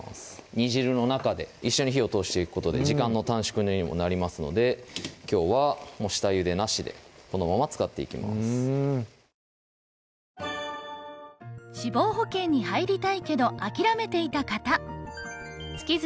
煮汁の中で一緒に火を通していくことで時間の短縮にもなりますのできょうは下ゆでなしでこのまま使っていきますでは５分程度たちました